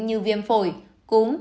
như viêm phổi cúm